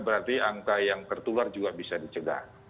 berarti angka yang tertular juga bisa dicegah